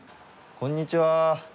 こんにちは。